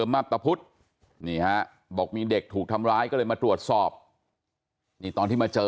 มหพที่นี่เห้อบอกมีเด็กถูกทำร้ายก็เลยมาตรวจสอบตอนที่มาเจอ